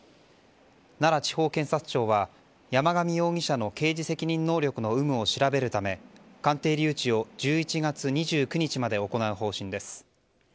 奈良地方検察庁は山上容疑者の刑事責任能力の有無を調べるため鑑定留置を１１月２９日まで行う方針です。